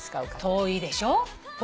遠いでしょ？